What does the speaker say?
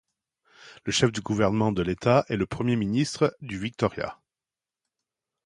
Le chef du gouvernement de l'État est le premier ministre du Victoria.